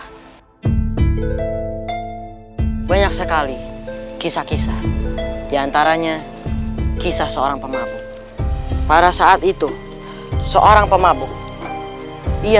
hai banyak sekali kisah kisah di antaranya kisah seorang pemabuk pada saat itu seorang pemabuk ia